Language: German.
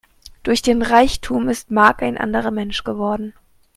Durch den Reichtum ist Mark ein anderer Mensch geworden.